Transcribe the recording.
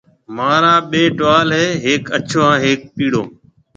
مهارا ٻي ٽوال هيَ هڪ اڇهو هانَ هڪ پِيڙو